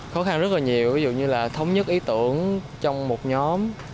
khó khăn rất là nhiều ví dụ như là thống nhất ý tưởng trong một nhóm